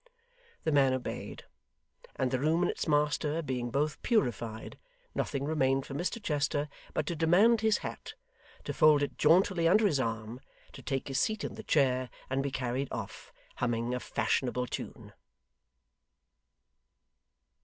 The man obeyed; and the room and its master being both purified, nothing remained for Mr Chester but to demand his hat, to fold it jauntily under his arm, to take his seat in the chair and be carried off; humming a fashionable tune.